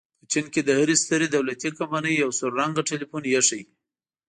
په چین کې د هرې سترې دولتي کمپنۍ یو سور رنګه ټیلیفون ایښی.